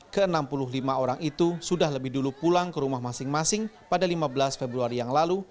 ke enam puluh lima orang itu sudah lebih dulu pulang ke rumah masing masing pada lima belas februari yang lalu